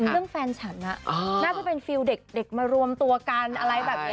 แฟนฉันน่าจะเป็นฟิลเด็กมารวมตัวกันอะไรแบบนี้